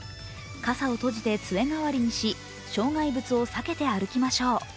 傘を閉じてつえ代わりにし、障害物を避けて歩きましょう。